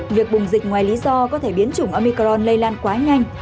việc bùng dịch ngoài lý do có thể biến chủng omicron lây lan quá nhanh